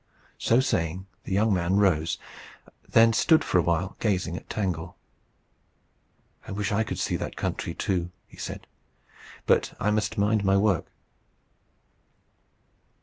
So saying, the young man rose, and then stood for a while gazing at Tangle. "I wish I could see that country too," he said. "But I must mind my work."